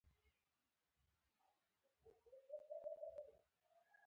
د باندي لاړ.